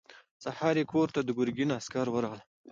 سهار يې کور ته د ګرګين عسکر ورغلل.